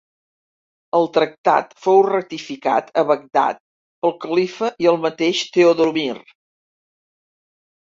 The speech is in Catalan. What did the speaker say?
El tractat fou ratificat a Bagdad pel Califa i el mateix Teodomir.